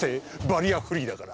バリアフリー。か！